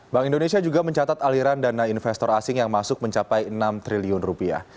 bank indonesia juga mencatat aliran dana investor asing yang masuk mencapai enam triliun rupiah